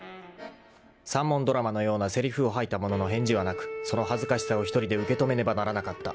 ［三文ドラマのようなせりふを吐いたものの返事はなくその恥ずかしさを１人で受け止めねばならなかった］